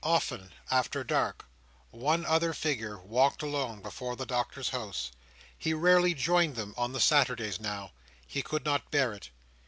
Often after dark, one other figure walked alone before the Doctor's house. He rarely joined them on the Saturdays now. He could not bear it.